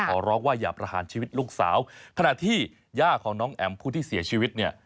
ขอร้องว่าอย่าประหารชีวิตลูกสาวขณะที่ย่าของน้องแอ๋มผู้ที่เสียชีวิตเนี่ย